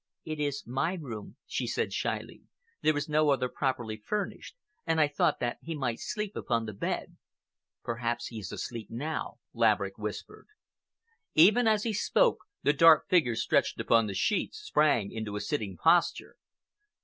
"It is my room," she said shyly. "There is no other properly furnished, and I thought that he might sleep upon the bed." "Perhaps he is asleep now," Laverick whispered. Even as he spoke, the dark figure stretched upon the sheets sprang into a sitting posture.